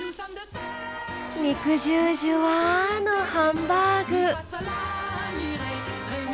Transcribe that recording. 肉汁ジュワのハンバーグ。